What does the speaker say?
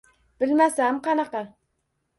–Bilmasam qanaqa.